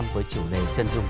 với chủ đề chân dung